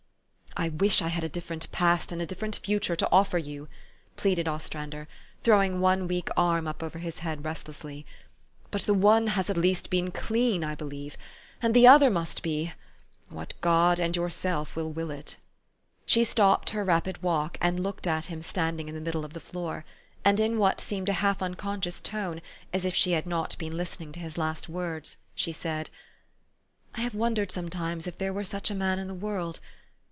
" I wish I had a different past and a different future to offer you," pleaded Ostrander, throwing THE STORY OF AVIS. 197 one weak arm up over his head restlessly. "But the one has at least been clean, I believe ; and the other must be what God and yourself will it." She stopped her rapid walk, and looked at him standing in the middle of the floor ; and in what seemed a half unconscious tone, as if she had not been listening to his last words, she said, 4 ' I have wondered sometimes if there were such a man in the world.